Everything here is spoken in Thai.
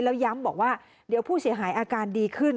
แล้วย้ำบอกว่าเดี๋ยวผู้เสียหายอาการดีขึ้น